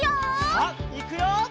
さあいくよ！